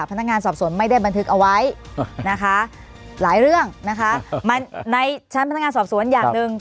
พนักงานสอบสวนไม่ได้บันทึกเอาไว้นะคะหลายเรื่องนะคะมันในชั้นพนักงานสอบสวนอย่างหนึ่ง